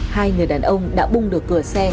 hai người đàn ông đã bung được cửa xe